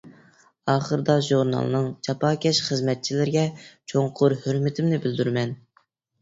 ئاخىردا ژۇرنالنىڭ جاپاكەش خىزمەتچىلىرىگە چوڭقۇر ھۆرمىتىمنى بىلدۈرىمەن.